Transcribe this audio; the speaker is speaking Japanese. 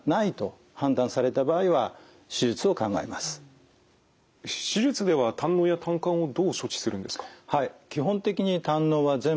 こうした画像診断で手術では胆のうや胆管をどう処置するんですか？